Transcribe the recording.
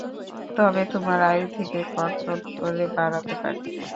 তবে তোমার আয়ু থেকে কর্তন করে বাড়াতে পারি।